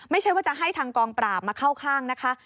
ไม่ใช่ว่าจะให้ทางกองปราบมาเข้าข้างนะคะ